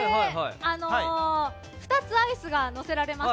２つアイスが載せられます。